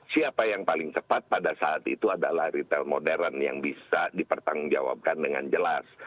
siapa yang paling cepat pada saat itu adalah retail modern yang bisa dipertanggungjawabkan dengan jelas